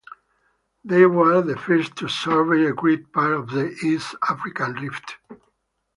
They were the first to survey a great part of the East African Rift.